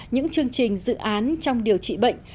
những chương trình dự án trong điều trị bệnh